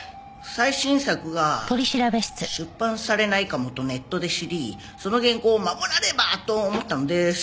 最新作が出版されないかもとネットで知りその原稿を守らねばと思ったのです。